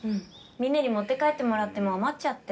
みんなに持って帰ってもらっても余っちゃって。